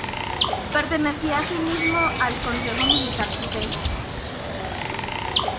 Pertenecía asimismo al Consejo Militar Supremo.